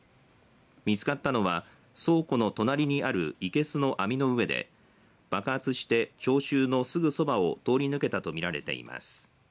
見つかったのは倉庫の隣にある生けすの網の上で爆発して聴衆のすぐそばを通り抜けたと見られています。